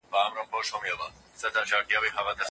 زموږ پلرونو او نیکونو ډېر سخت ژوند تېر کړی دی.